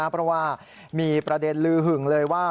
เพราะว่ามีประเด็นลือหึงเลยว่า